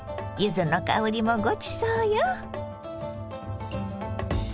柚子の香りもごちそうよ。